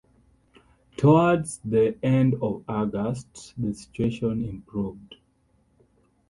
Towards the end of August, the situation improved.